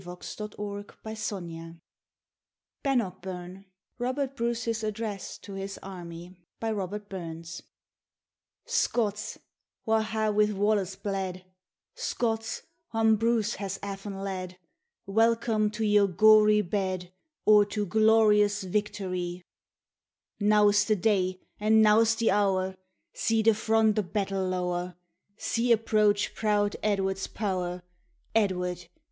Thomas Moore [137; RAINBOW GOLD BANNOCKBURN (Robert Bruce's Address to His Army) SCOTS, wha hae wi' Wallace bled, Scots, wham Bruce has aft en led; Welcome to your gory bed, Or to glorious victorie. Now's the day, and now's the hour; See the front o' battle lower; See approach proud Edward's po Edward!